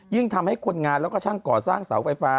ทำให้คนงานแล้วก็ช่างก่อสร้างเสาไฟฟ้า